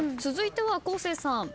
続いては昴生さん。